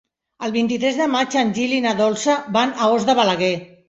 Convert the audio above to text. El vint-i-tres de maig en Gil i na Dolça van a Os de Balaguer.